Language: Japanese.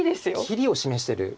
切りを示してる。